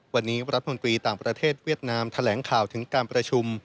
วันนี้รัฐมนตรีต่างประเทศเวียดนามแถลงข่าวถึงการประชุม